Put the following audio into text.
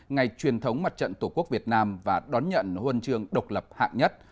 ngày truyền thống mặt trận tổ quốc việt nam và đón nhận huân chương độc lập hạng nhất